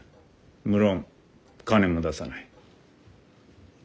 無論金も出さない。